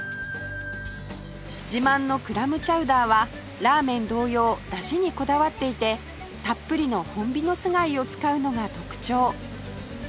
自慢のクラムチャウダーはラーメン同様出汁にこだわっていてたっぷりのホンビノス貝を使うのが特徴